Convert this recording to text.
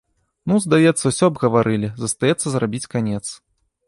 Ну, здаецца, усё абгаварылі, застаецца зрабіць канец.